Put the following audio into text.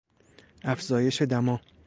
افزایش دما